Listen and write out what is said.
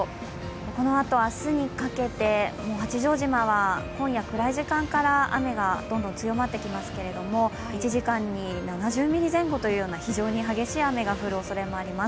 このあと明日にかけて、八丈島は今夜暗い時間から雨がどんどん強まってきますけれども１時間に７０ミリ前後という非常に激しい雨が降るおそれがあります。